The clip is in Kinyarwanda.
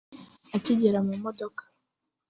Akigera mu modoka